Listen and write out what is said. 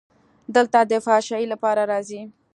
دلته د فحاشۍ لپاره راځي.